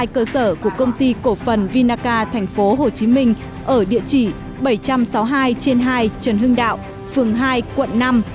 hai cơ sở của công ty cổ phần vinaca tp hcm ở địa chỉ bảy trăm sáu mươi hai trên hai trần hưng đạo phường hai quận năm